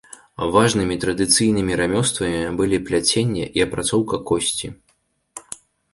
Важнымі традыцыйнымі рамёствамі былі пляценне і апрацоўка косці.